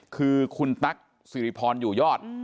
คือคุณตั๊กสีคะผนอยู่ยอด